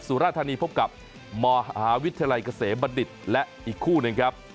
สุราธานีพบกับมหาวิทยาลัยเกษมบัณฑิตและอีกคู่หนึ่งครับ